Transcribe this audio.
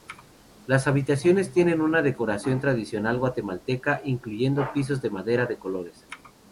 Las habitaciones tienen una decoración tradicional guatemalteca, incluyendo pisos de madera de colores.